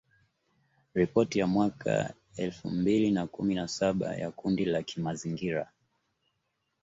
Ripoti ya mwaka elfu mbili na kumi na saba ya kundi la kimazingira